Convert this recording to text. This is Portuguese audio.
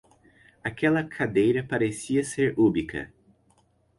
Aquela cadeira parecia ser ubíqua.